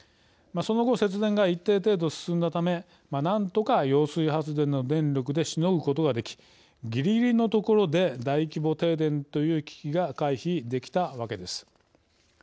その後、節電が一定程度、進んだためなんとか揚水発電の電力でしのぐことができぎりぎりのところで大規模停電という危機が回避できたわけです。